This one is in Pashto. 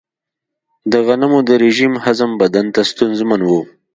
د غنمو د رژیم هضم بدن ته ستونزمن و.